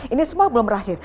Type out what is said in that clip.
ini semua belum berakhir